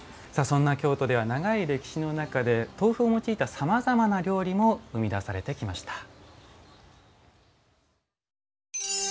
そんな京都では長い歴史の中で豆腐を用いたさまざまな料理も生み出されてきました。